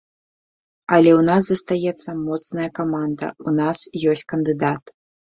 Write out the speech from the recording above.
Але ў нас застаецца моцная каманда, у нас ёсць кандыдат.